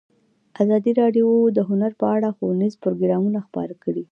ازادي راډیو د هنر په اړه ښوونیز پروګرامونه خپاره کړي.